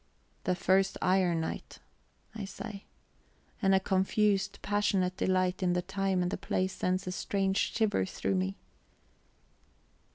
"The first iron night!" I say. And a confused, passionate delight in the time and the place sends a strange shiver through me...